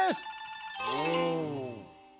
お！